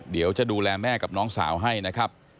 เดี๋ยวจะดูแลแม่กับน้องสาวให้นะครับ